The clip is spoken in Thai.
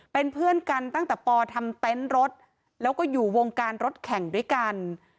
เป็นเพื่อนกันตั้งแต่ปทำเต็นต์รถแล้วก็อยู่วงการรถแข่งด้วยกัน